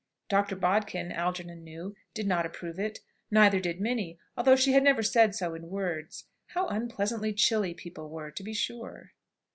Dr. Bodkin, Algernon knew, did not approve it; neither did Minnie, although she had never said so in words. How unpleasantly chilly people were, to be sure!